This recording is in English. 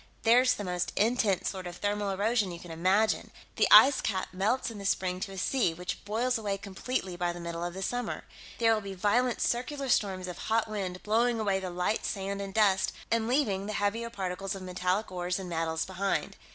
There's the most intense sort of thermal erosion you can imagine the ice cap melts in the spring to a sea, which boils away completely by the middle of the summer. There will be violent circular storms of hot wind, blowing away the light sand and dust and leaving the heavier particles of metallic ores and metals behind.